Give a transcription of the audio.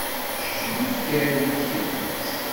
Kečč d ifker n tidet.